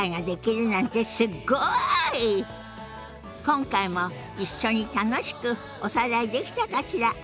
今回も一緒に楽しくおさらいできたかしら？